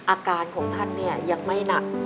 อาการของท่านเนี่ยยังไม่หนัก